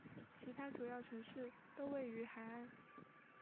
其他主要城市都位于海岸。